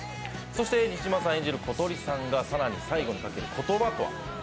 そして、西島さん演じる小鳥さんが佐奈に最後にかける言葉とは？